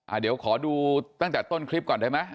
เดี๋ยวขอดูตั้งแต่ต้นคลิปก่อนได้ไหม